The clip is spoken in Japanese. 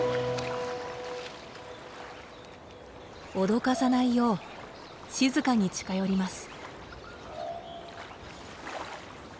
脅かさないよう静かに近寄ります。